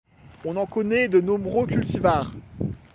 On en connaît de nombreux cultivars.